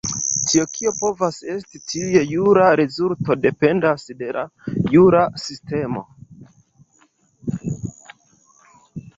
Tio, kio povas esti tiu jura rezulto, dependas de la jura sistemo.